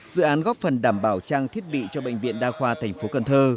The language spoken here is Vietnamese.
dự án góp phần đảm bảo trang thiết bị cho bệnh viện đa khoa thành phố cần thơ